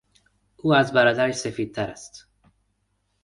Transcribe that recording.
او از برادرش سفیدتر است.